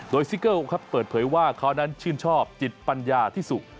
โดยซิเกิลครับเปิดเผยว่าเขานั้นชื่นชอบจิตปัญญาที่สุ